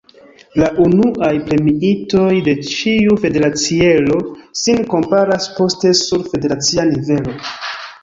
La unuaj premiitoj de ĉiu federaciero sin komparas poste sur federacia nivelo.